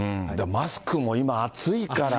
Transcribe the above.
マスクも今、暑いから。